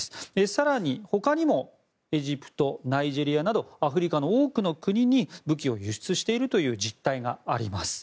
更に、ほかにもエジプト、ナイジェリアなどアフリカの多くの国に武器を輸出しているという実態があります。